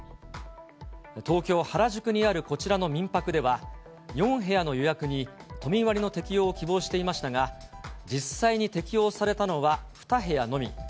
東京・原宿にあるこちらの民泊では、４部屋の予約に都民割の適用を希望していましたが、実際に適用されたのは、２部屋のみ。